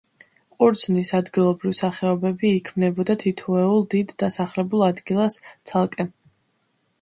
ყურძნის ადგილობრივ სახეობები იქმნებოდა თითოეულ დიდ დასახლებულ ადგილას ცალკე.